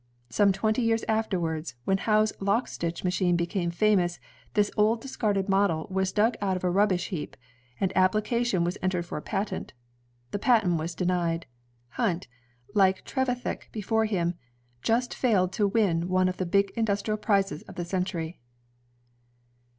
Some twenty years afterwards, when Howe's lock stitch machine became famous, this old discarded model was dug out of a rubbish heap, and application was entered for a patent. The patent was denied. Hunt, like Trevithick before him, just failed to win one of the big industrial prizes of the century.